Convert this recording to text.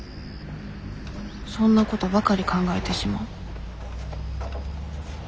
そんなことばかり考えてしまう